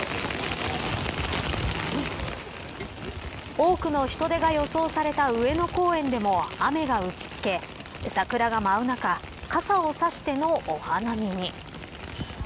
多くの人出が予想された上野公園でも雨が打ちつけ桜が舞う中傘を差してのお花見に。